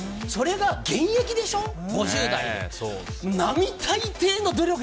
それが現役でしょ？